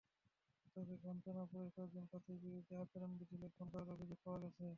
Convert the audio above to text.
তবে বাঞ্ছারামপুরের কয়েকজন প্রার্থীর বিরুদ্ধে আচরণবিধি লঙ্ঘন করার অভিযোগ পাওয়া গেছে।